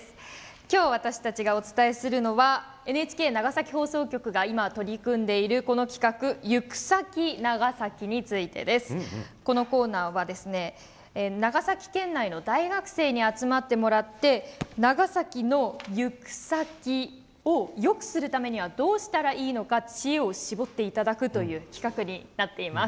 今日、私たちがお伝えするのはＮＨＫ長崎放送局が今、取り組んでいる企画「ユクサキナガサキ」についてです。このコーナーは長崎県内の大学生に集まってもらって長崎の行く先をよくするためにはどうしたらいいのか知恵を絞っていただくという企画になっています。